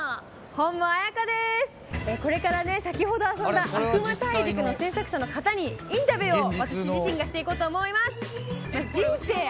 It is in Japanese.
これからね先ほど遊んだアフマ大陸の制作者の方にインタビューを私自身がしていこうと思います。